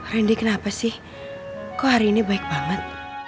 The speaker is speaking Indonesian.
randy kenapa sih kok hari ini baik banget